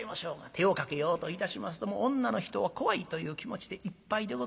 手をかけようといたしますともう女の人は怖いという気持ちでいっぱいでございます。